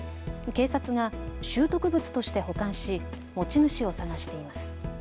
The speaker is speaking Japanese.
警察が拾得物として保管し持ち主を捜しています。